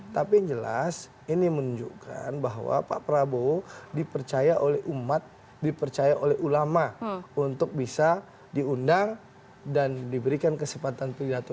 tapi yang jelas ini menunjukkan bahwa pak prabowo dipercaya oleh umat dipercaya oleh ulama untuk bisa diundang dan diberikan kesempatan pidato